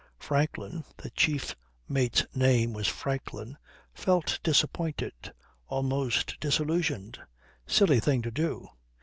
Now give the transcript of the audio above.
Franklin (the chief mate's name was Franklin) felt disappointed; almost disillusioned. Silly thing to do!